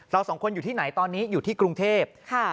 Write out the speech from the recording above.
เราสองคนอยู่ที่ไหนตอนนี้อยู่ที่กรุงเทพ